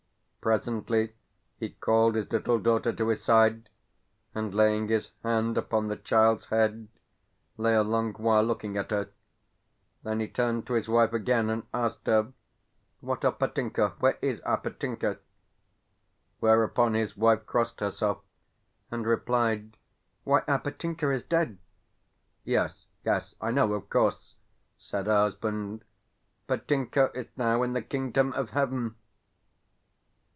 Presently he called his little daughter to his side, and, laying his hand upon the child's head, lay a long while looking at her. Then he turned to his wife again, and asked her: "What of Petinka? Where is our Petinka?" whereupon his wife crossed herself, and replied: "Why, our Petinka is dead!" "Yes, yes, I know of course," said her husband. "Petinka is now in the Kingdom of Heaven."